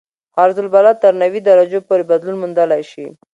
عرض البلد تر نوي درجو پورې بدلون موندلی شي